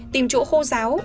tìm chỗ khô ráo